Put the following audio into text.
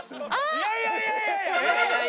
いやいやいや。